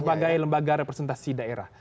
sebagai lembaga representasi daerah